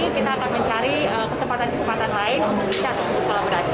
kita akan mencari kesempatan kesempatan lain untuk kita untuk kolaborasi